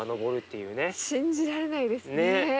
信じられないですね。